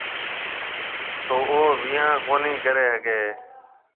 تو او ويهان ڪونِي ڪريَ هگھيََََ هيَ۔